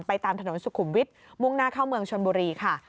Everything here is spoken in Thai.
ตามถนนสุขุมวิทย์มุ่งหน้าเข้าเมืองชนบุรีค่ะ